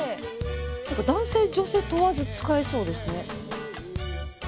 何か男性女性問わず使えそうですね。